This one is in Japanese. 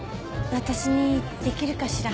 私にできるかしら？